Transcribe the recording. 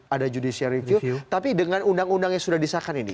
ada judicial review tapi dengan undang undang yang sudah disahkan ini